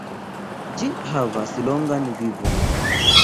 Ĝi havas longan vivon.